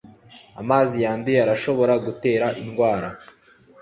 amazi yanduye arashobora gutera indwara